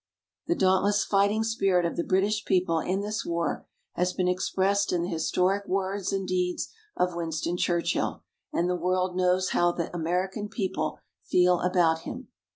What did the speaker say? The dauntless fighting spirit of the British people in this war has been expressed in the historic words and deeds of Winston Churchill and the world knows how the American people feel about him.